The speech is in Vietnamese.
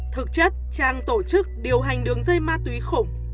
thực chất trang tổ chức điều hành đường dây ma túy khủng